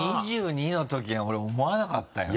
２２のときに俺思わなかったよ